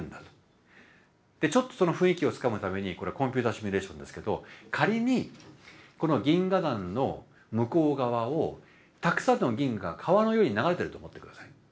ちょっとその雰囲気をつかむためにこれコンピューターシミュレーションですけど仮にこの銀河団の向こう側をたくさんの銀河が川のように流れてると思って下さい。